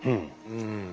うん。